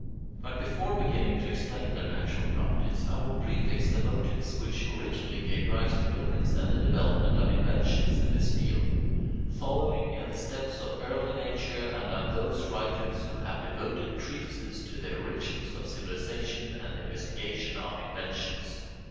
But before beginning to explain their natural properties, I will prefix the motives which originally gave rise to buildings and the development of inventions in this field, following in the steps of early nature and of those writers who have devoted treatises to the origins of civilization and the investigation of inventions.